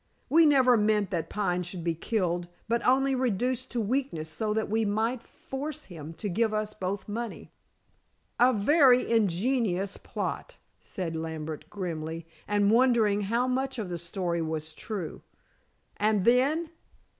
We never meant that Pine should be killed, but only reduced to weakness so that we might force him to give us both money." "A very ingenious plot," said Lambert grimly and wondering how much of the story was true. "And then?"